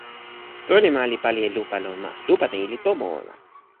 soweli ma li pali e lupa lon ma. lupa ni li tomo ona.